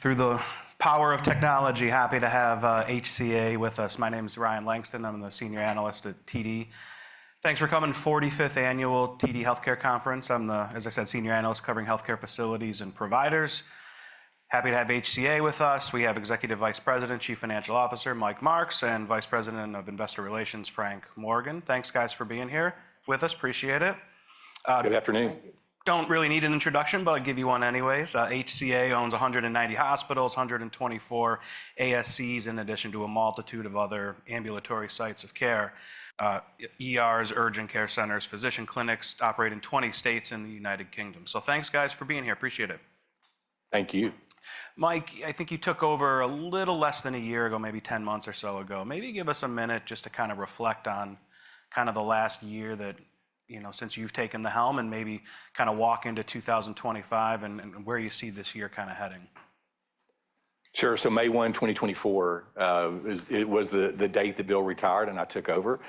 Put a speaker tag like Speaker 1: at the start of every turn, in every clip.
Speaker 1: Through the power of technology, happy to have HCA with us. My name is Ryan Langston. I'm the senior analyst at TD. Thanks for coming. 45th annual TD Healthcare conference. I'm the, as I said, senior analyst covering healthcare facilities and providers. Happy to have HCA with us. We have Executive Vice President, Chief Financial Officer Mike Marks, and Vice President of Investor Relations, Frank Morgan. Thanks, guys, for being here with us. Appreciate it.
Speaker 2: Good afternoon.
Speaker 1: Don't really need an introduction, but I'll give you one anyways. HCA owns 190 hospitals, 124 ASCs, in addition to a multitude of other ambulatory sites of care, ERs, urgent care centers, physician clinics, operating in 20 states and the United Kingdom. So thanks, guys, for being here. Appreciate it.
Speaker 2: Thank you.
Speaker 1: Mike, I think you took over a little less than a year ago, maybe 10 months or so ago. Maybe give us a minute just to kind of reflect on kind of the last year that, you know, since you've taken the helm and maybe kind of walk into 2025 and where you see this year kind of heading.
Speaker 2: Sure. So May 1, 2024, it was the date that Bill retired and I took over.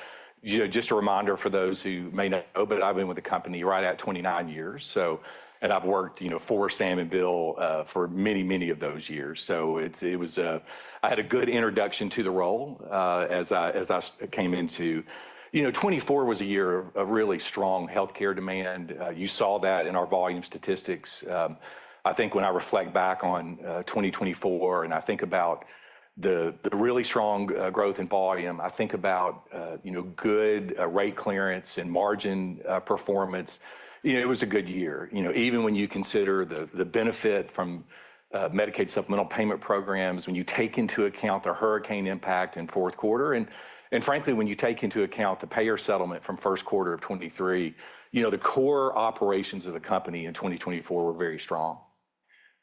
Speaker 2: Just a reminder for those who may know, but I've been with the company right at 29 years. So, and I've worked for Sam and Bill for many, many of those years. So it was, I had a good introduction to the role as I came into. You know, 2024 was a year of really strong healthcare demand. You saw that in our volume statistics. I think when I reflect back on 2024 and I think about the really strong growth in volume, I think about good rate clearance and margin performance. You know, it was a good year. You know, even when you consider the benefit from Medicaid supplemental payment programs, when you take into account the hurricane impact in fourth quarter, and frankly, when you take into account the payer settlement from first quarter of 2023, you know, the core operations of the company in 2024 were very strong.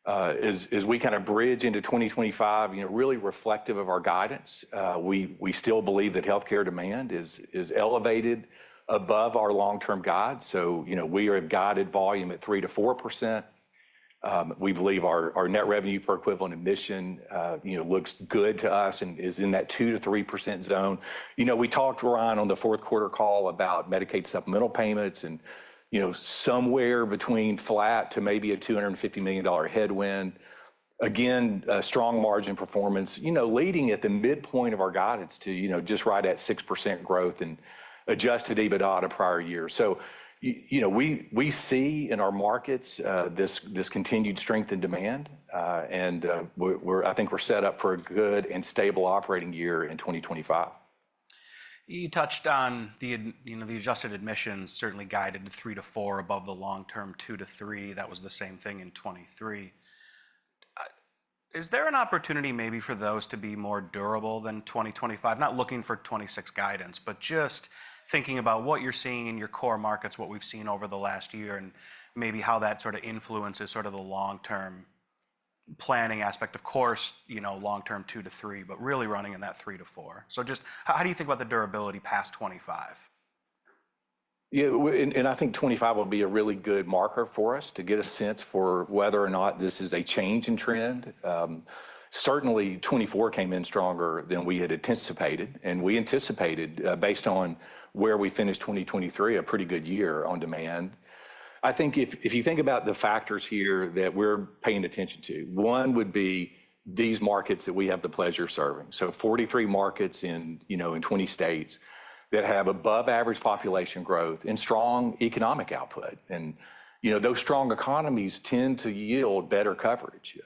Speaker 2: As we kind of bridge into 2025, you know, really reflective of our guidance, we still believe that healthcare demand is elevated above our long-term guide. So, you know, we are guided volume at 3%-4%. We believe our net revenue per equivalent admission, you know, looks good to us and is in that 2%-3% zone. You know, we talked to Ron on the fourth quarter call about Medicaid supplemental payments and, you know, somewhere between flat to maybe a $250 million headwind. Again, strong margin performance, you know, leading at the midpoint of our guidance to, you know, just right at 6% growth and Adjusted EBITDA to prior year, so you know, we see in our markets this continued strength in demand, and I think we're set up for a good and stable operating year in 2025.
Speaker 1: You touched on the, you know, adjusted admissions certainly guided to 3-4 above the long-term 2-3. That was the same thing in 2023. Is there an opportunity maybe for those to be more durable than 2025? Not looking for 2026 guidance, but just thinking about what you're seeing in your core markets, what we've seen over the last year, and maybe how that sort of influences sort of the long-term planning aspect. Of course, you know, long-term 2-3, but really running in that 3-4. So just how do you think about the durability past 2025?
Speaker 2: Yeah, and I think 2025 will be a really good marker for us to get a sense for whether or not this is a change in trend. Certainly, 2024 came in stronger than we had anticipated. And we anticipated, based on where we finished 2023, a pretty good year on demand. I think if you think about the factors here that we're paying attention to, one would be these markets that we have the pleasure of serving. So 43 markets in, you know, in 20 states that have above-average population growth and strong economic output. And, you know, those strong economies tend to yield better coverage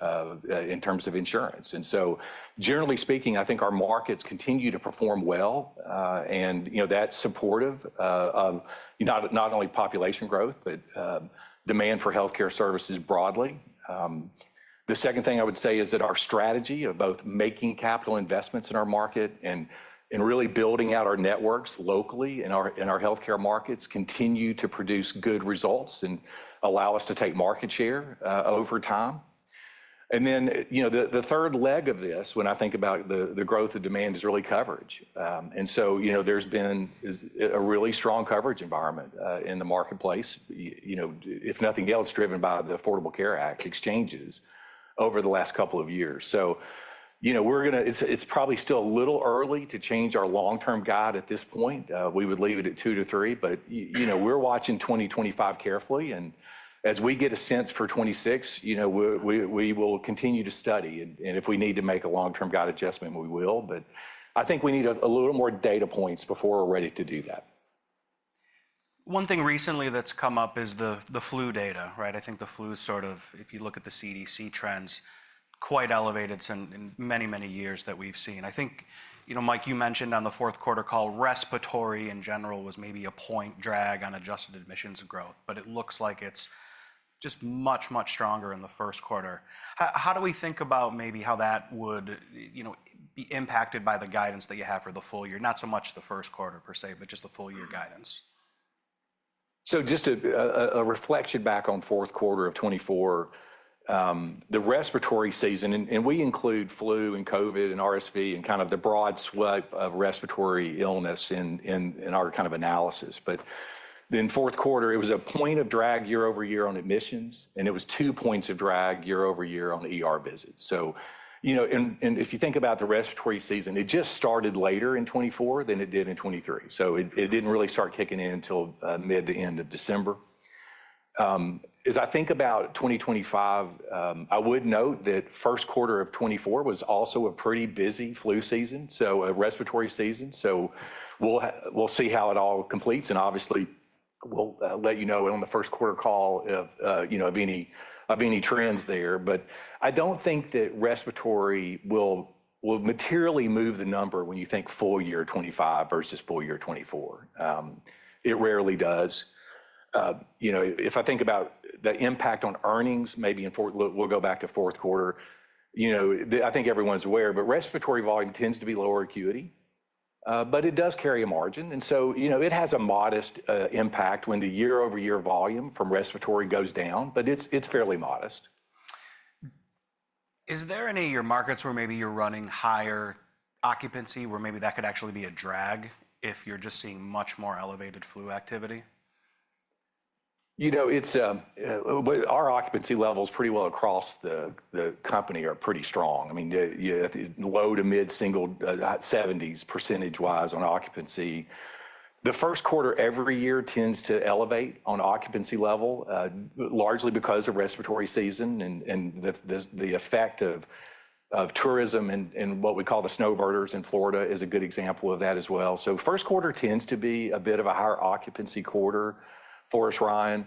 Speaker 2: in terms of insurance. And so generally speaking, I think our markets continue to perform well. And, you know, that's supportive of not only population growth, but demand for healthcare services broadly. The second thing I would say is that our strategy of both making capital investments in our market and really building out our networks locally in our healthcare markets continue to produce good results and allow us to take market share over time. And then, you know, the third leg of this, when I think about the growth of demand, is really coverage. And so, you know, there's been a really strong coverage environment in the marketplace, you know, if nothing else, driven by the Affordable Care Act exchanges over the last couple of years. So, you know, we're going to, it's probably still a little early to change our long-term guide at this point. We would leave it at 2-3, but, you know, we're watching 2025 carefully. And as we get a sense for 2026, you know, we will continue to study. And if we need to make a long-term guide adjustment, we will. But I think we need a little more data points before we're ready to do that.
Speaker 1: One thing recently that's come up is the flu data, right? I think the flu is sort of, if you look at the CDC trends, quite elevated in many, many years that we've seen. I think, you know, Mike, you mentioned on the fourth quarter call, respiratory in general was maybe a point drag on adjusted admissions growth, but it looks like it's just much, much stronger in the first quarter. How do we think about maybe how that would, you know, be impacted by the guidance that you have for the full year? Not so much the first quarter per se, but just the full year guidance.
Speaker 2: So just a reflection back on fourth quarter of 2024, the respiratory season, and we include flu and COVID and RSV and kind of the broad swipe of respiratory illness in our kind of analysis. But then fourth quarter, it was a point of drag year-over-year on admissions, and it was two points of drag year-over-year on ER visits. So, you know, and if you think about the respiratory season, it just started later in 2024 than it did in 2023. So it didn't really start kicking in until mid to end of December. As I think about 2025, I would note that first quarter of 2024 was also a pretty busy flu season, so a respiratory season. So we'll see how it all completes. And obviously, we'll let you know on the first quarter call, you know, of any trends there. But I don't think that respiratory will materially move the number when you think full year 2025 versus full year 2024. It rarely does. You know, if I think about the impact on earnings, maybe in fourth, we'll go back to fourth quarter. You know, I think everyone's aware, but respiratory volume tends to be lower acuity, but it does carry a margin. And so, you know, it has a modest impact when the year-over-year volume from respiratory goes down, but it's fairly modest.
Speaker 1: Is there any of your markets where maybe you're running higher occupancy where maybe that could actually be a drag if you're just seeing much more elevated flu activity?
Speaker 2: You know, our occupancy levels pretty well across the company are pretty strong. I mean, low- to mid-single 70s percentage wise on occupancy. The first quarter every year tends to elevate on occupancy level, largely because of respiratory season and the effect of tourism and what we call the snowbirders in Florida is a good example of that as well. So first quarter tends to be a bit of a higher occupancy quarter. For us, Ryan,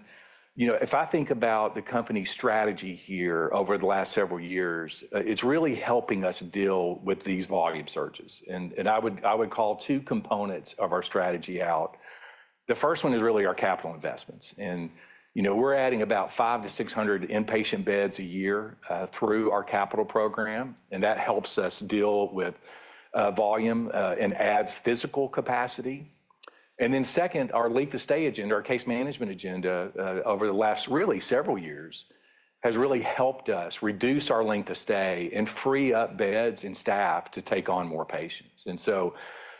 Speaker 2: you know, if I think about the company strategy here over the last several years, it's really helping us deal with these volume surges. And I would call two components of our strategy out. The first one is really our capital investments. And, you know, we're adding about 500-600 inpatient beds a year through our capital program. And that helps us deal with volume and adds physical capacity. And then, second, our length of stay agenda, our case management agenda over the last really several years has really helped us reduce our length of stay and free up beds and staff to take on more patients. And so,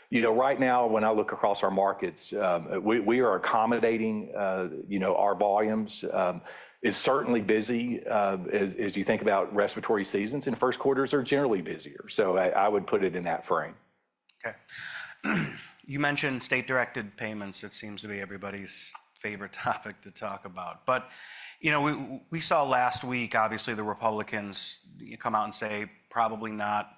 Speaker 2: you know, right now when I look across our markets, we are accommodating, you know, our volumes is certainly busy as you think about respiratory seasons and first quarters are generally busier. So I would put it in that frame.
Speaker 1: Okay. You mentioned state-directed payments. It seems to be everybody's favorite topic to talk about, but, you know, we saw last week, obviously, the Republicans come out and say, probably not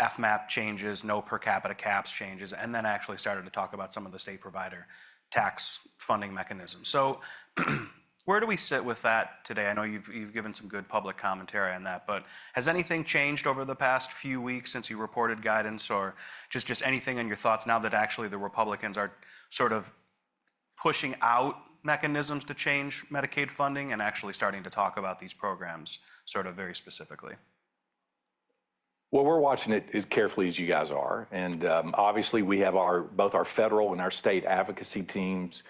Speaker 1: FMAP changes, no per capita caps changes, and then actually started to talk about some of the state provider tax funding mechanisms, so where do we sit with that today? I know you've given some good public commentary on that, but has anything changed over the past few weeks since you reported guidance or just anything in your thoughts now that actually the Republicans are sort of pushing out mechanisms to change Medicaid funding and actually starting to talk about these programs sort of very specifically?
Speaker 2: We're watching it as carefully as you guys are. Obviously, we have both our federal and our state advocacy teams,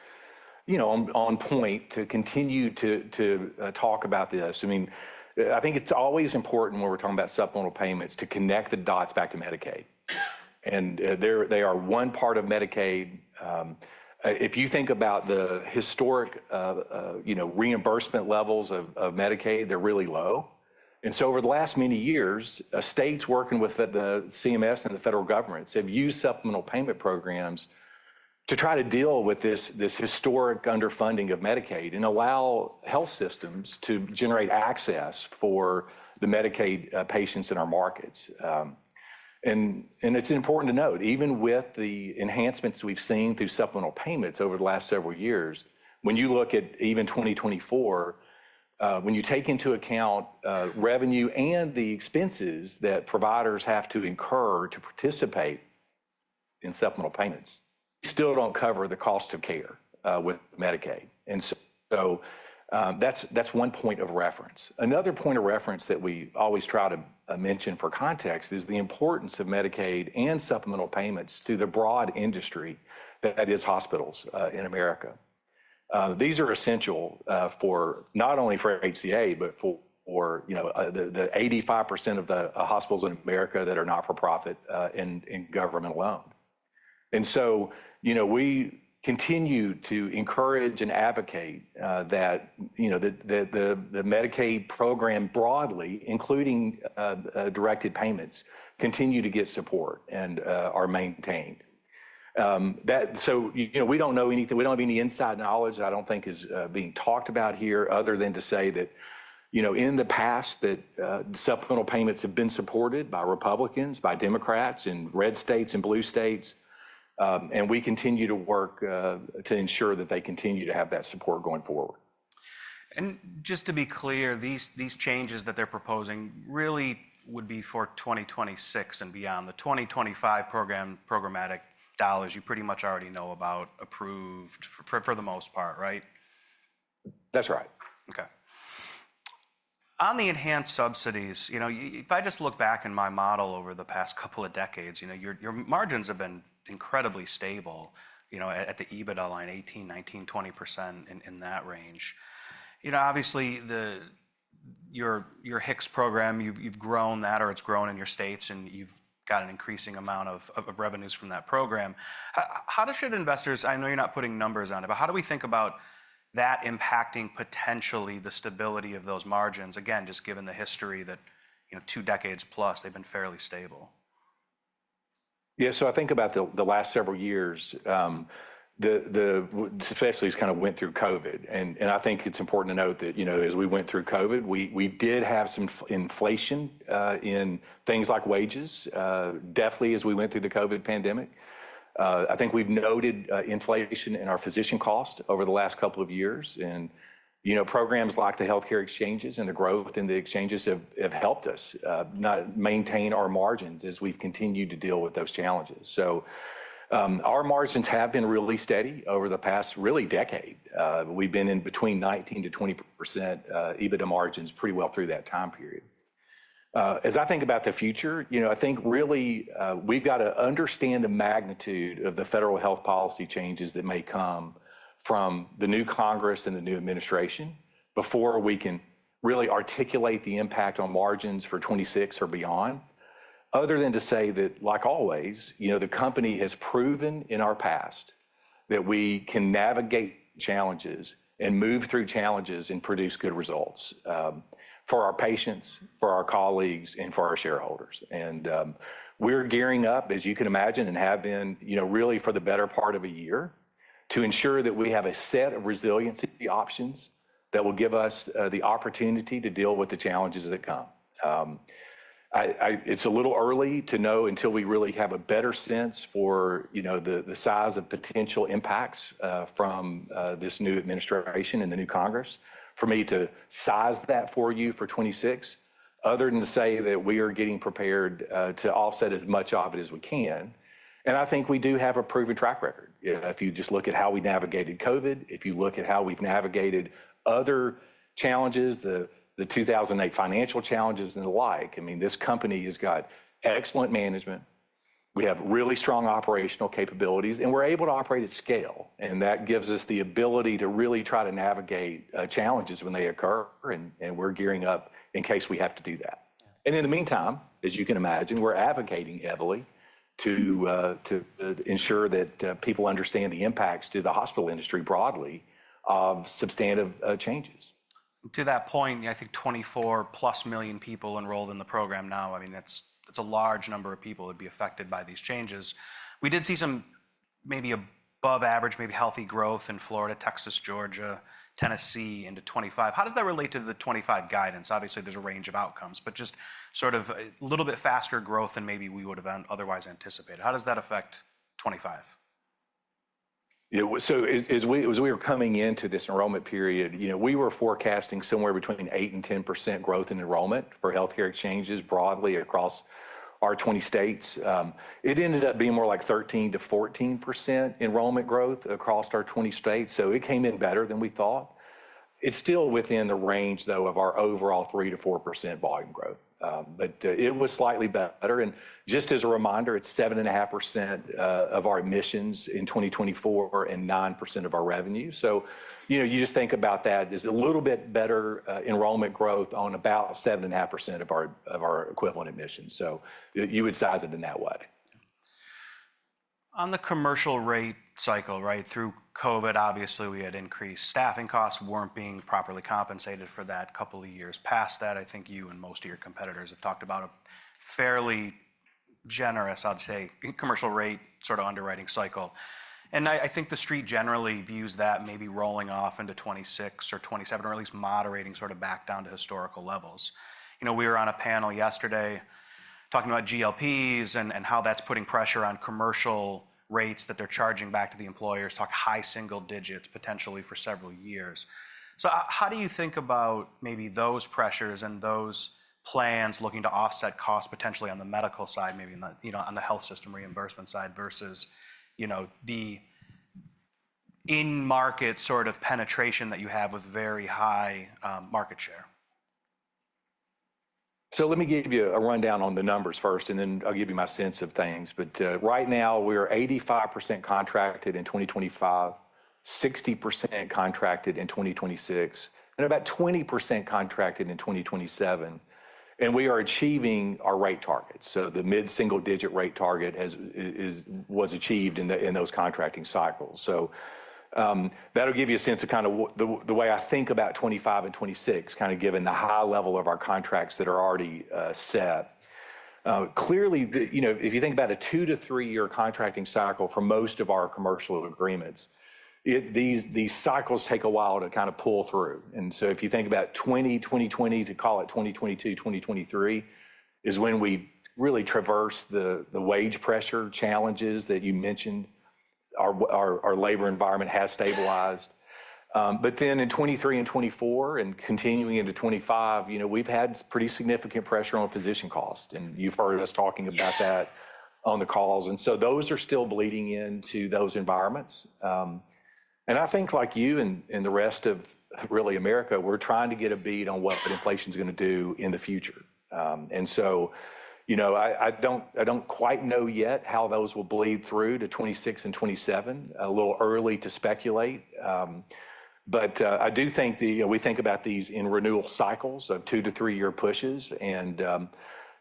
Speaker 2: you know, on point to continue to talk about this. I mean, I think it's always important when we're talking about supplemental payments to connect the dots back to Medicaid. They are one part of Medicaid. If you think about the historic, you know, reimbursement levels of Medicaid, they're really low. So over the last many years, states working with the CMS and the federal governments have used supplemental payment programs to try to deal with this historic underfunding of Medicaid and allow health systems to generate access for the Medicaid patients in our markets. It's important to note, even with the enhancements we've seen through supplemental payments over the last several years, when you look at even 2024, when you take into account revenue and the expenses that providers have to incur to participate in supplemental payments, we still don't cover the cost of care with Medicaid. That's one point of reference. Another point of reference that we always try to mention for context is the importance of Medicaid and supplemental payments to the broad industry that is hospitals in America. These are essential not only for HCA, but for, you know, the 85% of the hospitals in America that are not-for-profit and government-owned. You know, we continue to encourage and advocate that the Medicaid program broadly, including directed payments, continue to get support and are maintained. So, you know, we don't know anything, we don't have any inside knowledge that I don't think is being talked about here other than to say that, you know, in the past that supplemental payments have been supported by Republicans, by Democrats in red states and blue states. And we continue to work to ensure that they continue to have that support going forward.
Speaker 1: Just to be clear, these changes that they're proposing really would be for 2026 and beyond. The 2025 program, programmatic dollars you pretty much already know about, approved for the most part, right?
Speaker 2: That's right.
Speaker 1: Okay. On the enhanced subsidies, you know, if I just look back in my model over the past couple of decades, you know, your margins have been incredibly stable, you know, at the EBITDA line 18%, 19%, 20% in that range. You know, obviously your HICS program, you've grown that or it's grown in your states and you've got an increasing amount of revenues from that program. How should investors, I know you're not putting numbers on it, but how do we think about that impacting potentially the stability of those margins? Again, just given the history that, you know, two decades plus, they've been fairly stable.
Speaker 2: Yeah, so I think about the last several years, especially as kind of went through COVID. And I think it's important to note that, you know, as we went through COVID, we did have some inflation in things like wages, definitely as we went through the COVID pandemic. I think we've noted inflation in our physician cost over the last couple of years. And, you know, programs like the healthcare exchanges and the growth in the exchanges have helped us maintain our margins as we've continued to deal with those challenges. So our margins have been really steady over the past really decade. We've been in between 19%-20% EBITDA margins pretty well through that time period. As I think about the future, you know, I think really we've got to understand the magnitude of the federal health policy changes that may come from the new Congress and the new administration before we can really articulate the impact on margins for 2026 or beyond. Other than to say that, like always, you know, the company has proven in our past that we can navigate challenges and move through challenges and produce good results for our patients, for our colleagues, and for our shareholders, and we're gearing up, as you can imagine, and have been, you know, really for the better part of a year to ensure that we have a set of resiliency options that will give us the opportunity to deal with the challenges that come. It's a little early to know until we really have a better sense for, you know, the size of potential impacts from this new administration and the new Congress for me to size that for you for 2026, other than to say that we are getting prepared to offset as much of it as we can, and I think we do have a proven track record. If you just look at how we navigated COVID, if you look at how we've navigated other challenges, the 2008 financial challenges and the like, I mean, this company has got excellent management. We have really strong operational capabilities, and we're able to operate at scale, and that gives us the ability to really try to navigate challenges when they occur, and we're gearing up in case we have to do that. In the meantime, as you can imagine, we're advocating heavily to ensure that people understand the impacts to the hospital industry broadly of substantive changes.
Speaker 1: To that point, I think 24+ million people enrolled in the program now. I mean, that's a large number of people would be affected by these changes. We did see some maybe above average, maybe healthy growth in Florida, Texas, Georgia, Tennessee into 2025. How does that relate to the 2025 guidance? Obviously, there's a range of outcomes, but just sort of a little bit faster growth than maybe we would have otherwise anticipated. How does that affect 2025?
Speaker 2: Yeah, so as we were coming into this enrollment period, you know, we were forecasting somewhere between 8% and 10% growth in enrollment for healthcare exchanges broadly across our 20 states. It ended up being more like 13%-14% enrollment growth across our 20 states. So it came in better than we thought. It's still within the range, though, of our overall 3%-4% volume growth. But it was slightly better. And just as a reminder, it's 7.5% of our admissions in 2024 and 9% of our revenue. So, you know, you just think about that as a little bit better enrollment growth on about 7.5% of our equivalent admissions. So you would size it in that way.
Speaker 1: On the commercial rate cycle, right, through COVID, obviously we had increased staffing costs weren't being properly compensated for that couple of years past that. I think you and most of your competitors have talked about a fairly generous, I'd say, commercial rate sort of underwriting cycle, and I think the street generally views that maybe rolling off into 2026 or 2027, or at least moderating sort of back down to historical levels. You know, we were on a panel yesterday talking about GLPs and how that's putting pressure on commercial rates that they're charging back to the employers, talk high single digits potentially for several years. So how do you think about maybe those pressures and those plans looking to offset costs potentially on the medical side, maybe on the health system reimbursement side versus, you know, the in-market sort of penetration that you have with very high market share?
Speaker 2: Let me give you a rundown on the numbers first, and then I'll give you my sense of things. Right now we are 85% contracted in 2025, 60% contracted in 2026, and about 20% contracted in 2027. We are achieving our rate target. The mid-single digit rate target was achieved in those contracting cycles. That'll give you a sense of kind of the way I think about 2025 and 2026, kind of given the high level of our contracts that are already set. Clearly, you know, if you think about a two to three-year contracting cycle for most of our commercial agreements, these cycles take a while to kind of pull through. If you think about 2020, you could call it 2022, 2023 is when we really traversed the wage pressure challenges that you mentioned. Our labor environment has stabilized. But then in 2023 and 2024 and continuing into 2025, you know, we've had pretty significant pressure on physician costs. And you've heard us talking about that on the calls. And so those are still bleeding into those environments. And I think like you and the rest of really America, we're trying to get a beat on what inflation is going to do in the future. And so, you know, I don't quite know yet how those will bleed through to 2026 and 2027, a little early to speculate. But I do think that we think about these in renewal cycles of two to three-year pushes. And,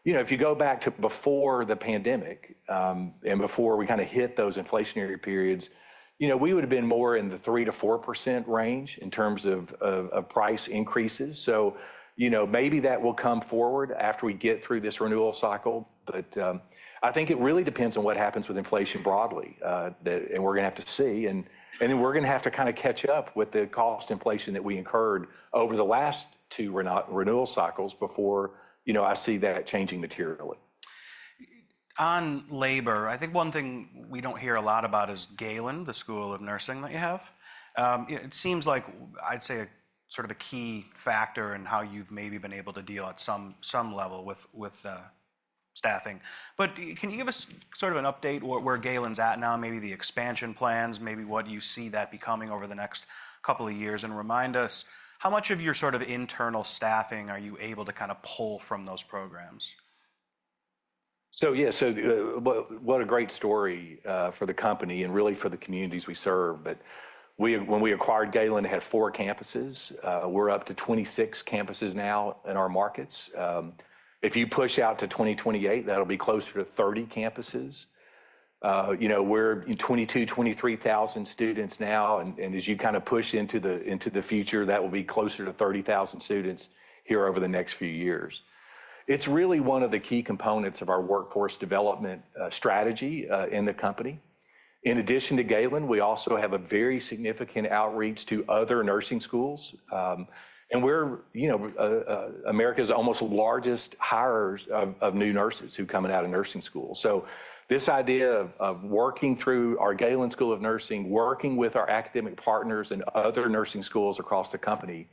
Speaker 2: you know, if you go back to before the pandemic and before we kind of hit those inflationary periods, you know, we would have been more in the 3%-4% range in terms of price increases. So, you know, maybe that will come forward after we get through this renewal cycle. But I think it really depends on what happens with inflation broadly that we're going to have to see. And then we're going to have to kind of catch up with the cost inflation that we incurred over the last two renewal cycles before, you know, I see that changing materially.
Speaker 1: On labor, I think one thing we don't hear a lot about is Galen, the school of nursing that you have. It seems like, I'd say, sort of a key factor in how you've maybe been able to deal at some level with staffing. But can you give us sort of an update where Galen's at now, maybe the expansion plans, maybe what you see that becoming over the next couple of years and remind us how much of your sort of internal staffing are you able to kind of pull from those programs?
Speaker 2: So yeah, so what a great story for the company and really for the communities we serve. But when we acquired Galen, it had four campuses. We're up to 26 campuses now in our markets. If you push out to 2028, that'll be closer to 30 campuses. You know, we're in 22,000-23,000 students now. And as you kind of push into the future, that will be closer to 30,000 students here over the next few years. It's really one of the key components of our workforce development strategy in the company. In addition to Galen, we also have a very significant outreach to other nursing schools. And we're, you know, America's almost largest hires of new nurses who come out of nursing schools. So this idea of working through our Galen School of Nursing, working with our academic partners and other nursing schools across the company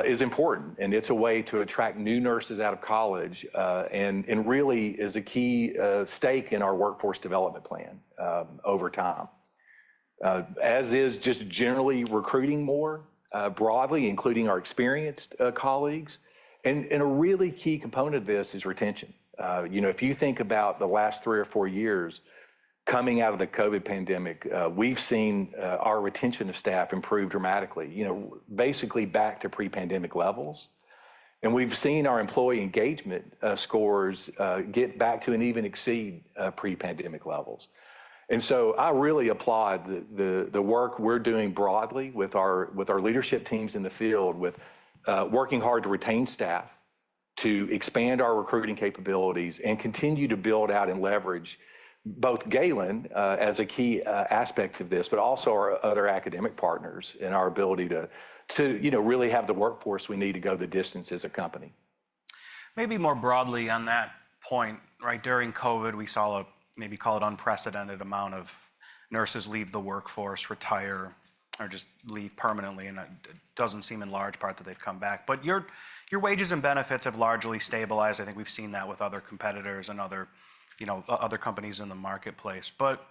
Speaker 2: is important. It's a way to attract new nurses out of college and really is a key stake in our workforce development plan over time. As is just generally recruiting more broadly, including our experienced colleagues. A really key component of this is retention. You know, if you think about the last three or four years coming out of the COVID pandemic, we've seen our retention of staff improve dramatically, you know, basically back to pre-pandemic levels. We've seen our employee engagement scores get back to and even exceed pre-pandemic levels. I really applaud the work we're doing broadly with our leadership teams in the field, with working hard to retain staff, to expand our recruiting capabilities and continue to build out and leverage both Galen as a key aspect of this, but also our other academic partners and our ability to, you know, really have the workforce we need to go the distance as a company.
Speaker 1: Maybe more broadly on that point, right? During COVID, we saw a maybe call it unprecedented amount of nurses leave the workforce, retire, or just leave permanently. And it doesn't seem in large part that they've come back. But your wages and benefits have largely stabilized. I think we've seen that with other competitors and other, you know, other companies in the marketplace. But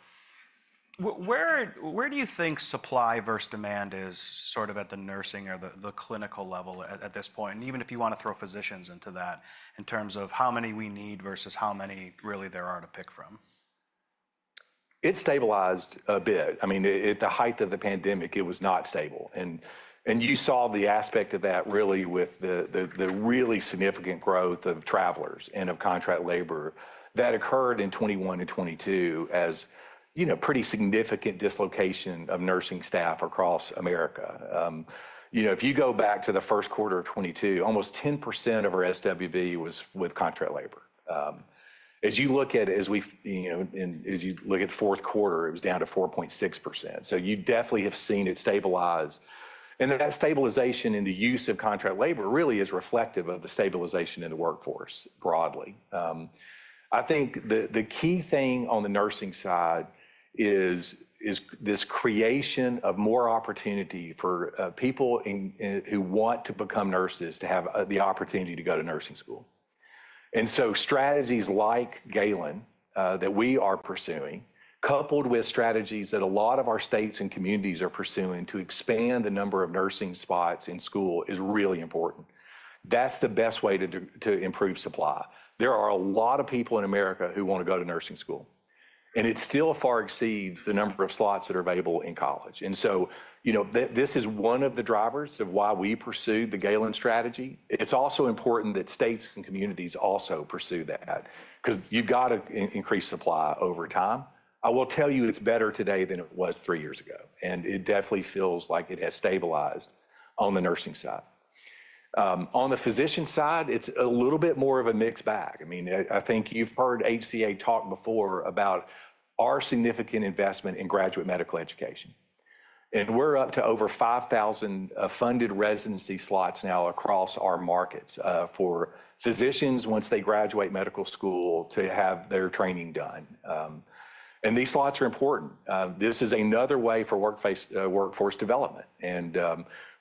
Speaker 1: where do you think supply versus demand is sort of at the nursing or the clinical level at this point? And even if you want to throw physicians into that in terms of how many we need versus how many really there are to pick from?
Speaker 2: It stabilized a bit. I mean, at the height of the pandemic, it was not stable, and you saw the aspect of that really with the really significant growth of travelers and of contract labor that occurred in 2021 and 2022 as, you know, pretty significant dislocation of nursing staff across America. You know, if you go back to the first quarter of 2022, almost 10% of our SWB was with contract labor. As you look at the fourth quarter, you know, it was down to 4.6%. So you definitely have seen it stabilize, and that stabilization in the use of contract labor really is reflective of the stabilization in the workforce broadly. I think the key thing on the nursing side is this creation of more opportunity for people who want to become nurses to have the opportunity to go to nursing school, and so strategies like Galen that we are pursuing, coupled with strategies that a lot of our states and communities are pursuing to expand the number of nursing spots in school, is really important. That's the best way to improve supply. There are a lot of people in America who want to go to nursing school, and it still far exceeds the number of slots that are available in college, and so, you know, this is one of the drivers of why we pursued the Galen strategy. It's also important that states and communities also pursue that because you've got to increase supply over time. I will tell you it's better today than it was three years ago. It definitely feels like it has stabilized on the nursing side. On the physician side, it's a little bit more of a mixed bag. I mean, I think you've heard HCA talk before about our significant investment in graduate medical education. We're up to over 5,000 funded residency slots now across our markets for physicians once they graduate medical school to have their training done. These slots are important. This is another way for workforce development.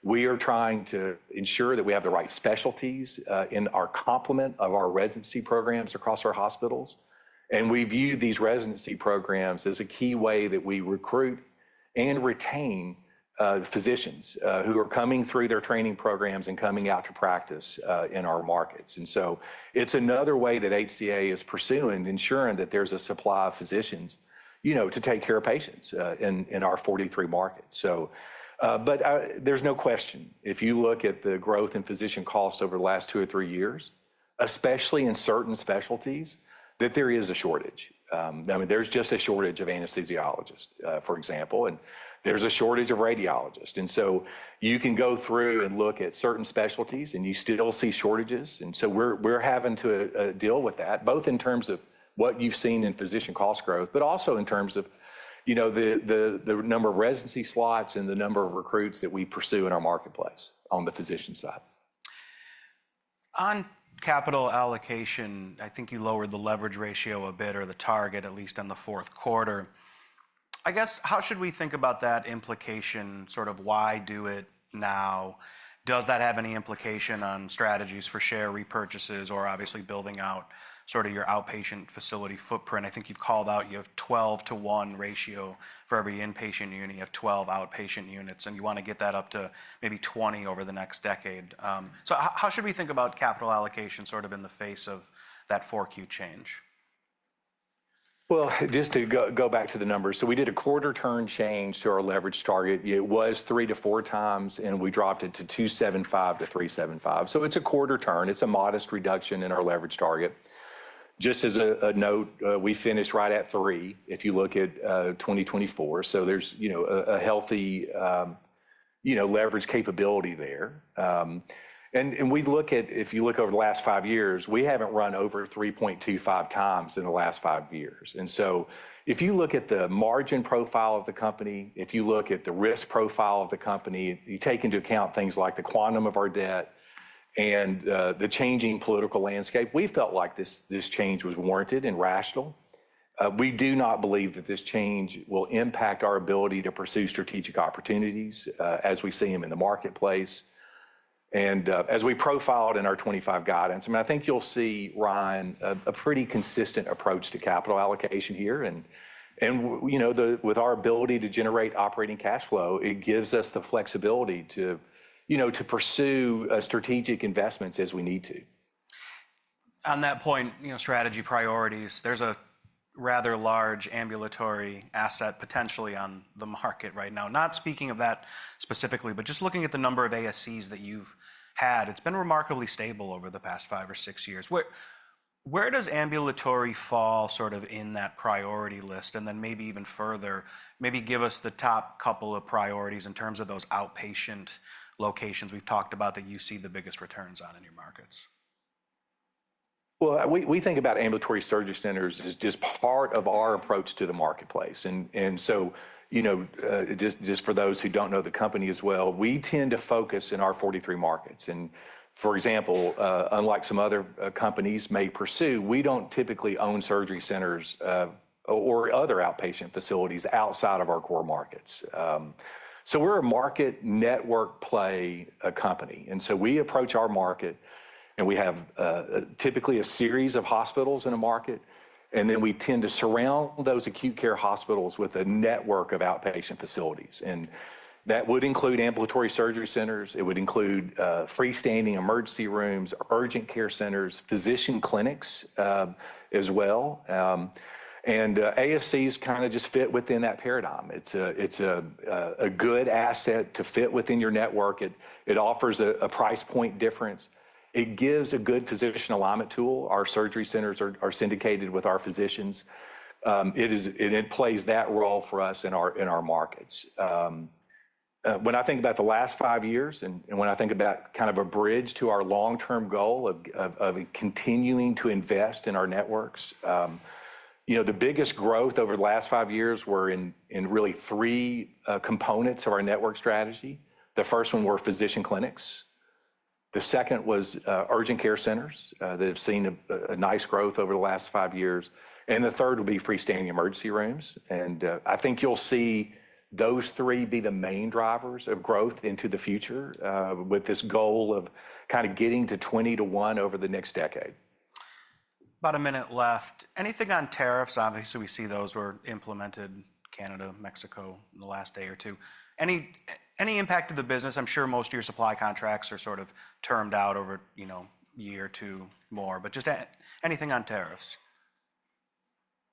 Speaker 2: We are trying to ensure that we have the right specialties in our complement of our residency programs across our hospitals. We view these residency programs as a key way that we recruit and retain physicians who are coming through their training programs and coming out to practice in our markets. And so it's another way that HCA is pursuing and ensuring that there's a supply of physicians, you know, to take care of patients in our 43 markets. So, but there's no question if you look at the growth in physician costs over the last two or three years, especially in certain specialties, that there is a shortage. I mean, there's just a shortage of anesthesiologists, for example. And there's a shortage of radiologists. And so you can go through and look at certain specialties and you still see shortages. And so we're having to deal with that both in terms of what you've seen in physician cost growth, but also in terms of, you know, the number of residency slots and the number of recruits that we pursue in our marketplace on the physician side.
Speaker 1: On capital allocation, I think you lowered the leverage ratio a bit or the target, at least on the fourth quarter. I guess how should we think about that implication? Sort of why do it now? Does that have any implication on strategies for share repurchases or obviously building out sort of your outpatient facility footprint? I think you've called out you have 12 to one ratio for every inpatient unit. You have 12 outpatient units. And you want to get that up to maybe 20 over the next decade. So how should we think about capital allocation sort of in the face of that 4Q change?
Speaker 2: Just to go back to the numbers. So we did a quarter-turn change to our leverage target. It was 3-4 times and we dropped it to 2.75-3.75. So it's a quarter-turn. It's a modest reduction in our leverage target. Just as a note, we finished right at three if you look at 2024. So there's, you know, a healthy, you know, leverage capability there. And we look at, if you look over the last five years, we haven't run over 3.25 times in the last five years. And so if you look at the margin profile of the company, if you look at the risk profile of the company, you take into account things like the quantum of our debt and the changing political landscape, we felt like this change was warranted and rational. We do not believe that this change will impact our ability to pursue strategic opportunities as we see them in the marketplace, and as we profiled in our 2025 guidance, I mean, I think you'll see, Ryan, a pretty consistent approach to capital allocation here, and, you know, with our ability to generate operating cash flow, it gives us the flexibility to, you know, to pursue strategic investments as we need to.
Speaker 1: On that point, you know, strategy priorities, there's a rather large ambulatory asset potentially on the market right now. Not speaking of that specifically, but just looking at the number of ASCs that you've had, it's been remarkably stable over the past five or six years. Where does ambulatory fall sort of in that priority list? And then maybe even further, maybe give us the top couple of priorities in terms of those outpatient locations we've talked about that you see the biggest returns on in your markets.
Speaker 2: We think about ambulatory surgery centers as just part of our approach to the marketplace. And so, you know, just for those who don't know the company as well, we tend to focus in our 43 markets. And for example, unlike some other companies may pursue, we don't typically own surgery centers or other outpatient facilities outside of our core markets. So we're a market network play company. And so we approach our market and we have typically a series of hospitals in a market. And then we tend to surround those acute care hospitals with a network of outpatient facilities. And that would include ambulatory surgery centers. It would include freestanding emergency rooms, urgent care centers, physician clinics as well. And ASCs kind of just fit within that paradigm. It's a good asset to fit within your network. It offers a price point difference. It gives a good physician alignment tool. Our surgery centers are syndicated with our physicians. It plays that role for us in our markets. When I think about the last five years and when I think about kind of a bridge to our long-term goal of continuing to invest in our networks, you know, the biggest growth over the last five years were in really three components of our network strategy. The first one were physician clinics. The second was urgent care centers that have seen a nice growth over the last five years. And the third would be freestanding emergency rooms. And I think you'll see those three be the main drivers of growth into the future with this goal of kind of getting to 20 to one over the next decade.
Speaker 1: About a minute left. Anything on tariffs? Obviously, we see those were implemented, Canada, Mexico in the last day or two. Any impact to the business? I'm sure most of your supply contracts are sort of termed out over, you know, a year or two more. But just anything on tariffs?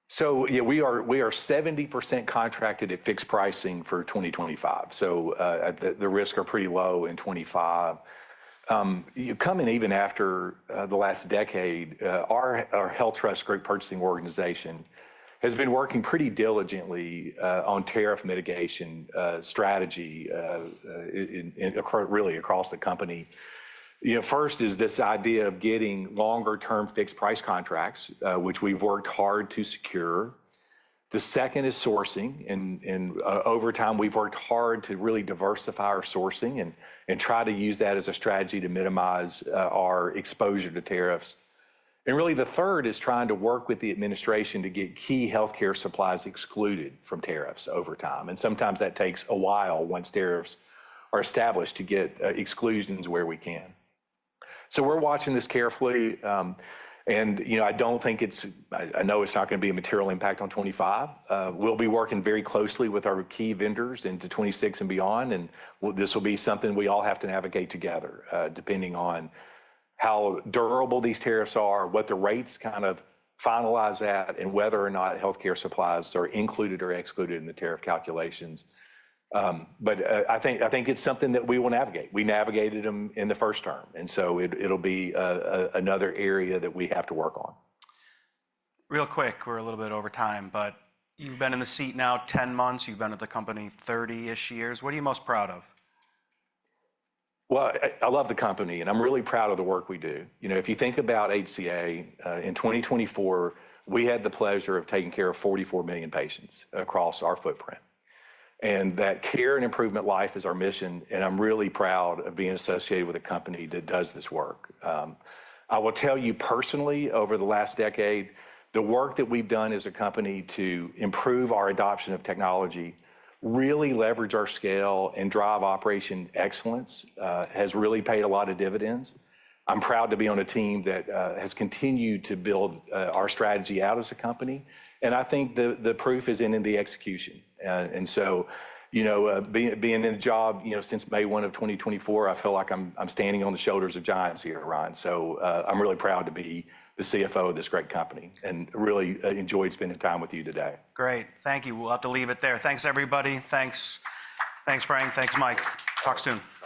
Speaker 2: So yeah, we are 70% contracted at fixed pricing for 2025. So the risks are pretty low in 2025. You come in even after the last decade. Our HealthTrust group purchasing organization has been working pretty diligently on tariff mitigation strategy really across the company. You know, first is this idea of getting longer-term fixed price contracts, which we've worked hard to secure. The second is sourcing. And over time, we've worked hard to really diversify our sourcing and try to use that as a strategy to minimize our exposure to tariffs. And really the third is trying to work with the administration to get key healthcare supplies excluded from tariffs over time. And sometimes that takes a while once tariffs are established to get exclusions where we can. So we're watching this carefully. You know, I don't think it's, I know it's not going to be a material impact on 2025. We'll be working very closely with our key vendors into 2026 and beyond. And this will be something we all have to navigate together depending on how durable these tariffs are, what the rates kind of finalize at, and whether or not healthcare supplies are included or excluded in the tariff calculations. But I think it's something that we will navigate. We navigated them in the first term. And so it'll be another area that we have to work on.
Speaker 1: Real quick, we're a little bit over time, but you've been in the seat now 10 months. You've been at the company 30-ish years. What are you most proud of?
Speaker 2: I love the company and I'm really proud of the work we do. You know, if you think about HCA in 2024, we had the pleasure of taking care of 44 million patients across our footprint. And that care and improving lives is our mission. And I'm really proud of being associated with a company that does this work. I will tell you personally, over the last decade, the work that we've done as a company to improve our adoption of technology, really leverage our scale and drive operational excellence has really paid a lot of dividends. I'm proud to be on a team that has continued to build our strategy out as a company. And I think the proof is in the execution. And so, you know, being in the job, you know, since May 1, 2024, I feel like I'm standing on the shoulders of giants here, Ryan. So I'm really proud to be the CFO of this great company and really enjoyed spending time with you today.
Speaker 1: Great. Thank you. We'll have to leave it there. Thanks, everybody. Thanks. Thanks, Frank. Thanks, Mike. Talk soon.